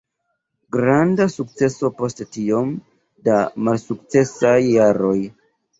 Granda sukceso post tiom da malsukcesaj jaroj.